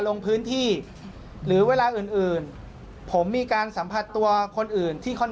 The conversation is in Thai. ลงพื้นที่หรือเวลาอื่นอื่นผมมีการสัมผัสตัวคนอื่นที่ค่อนข้าง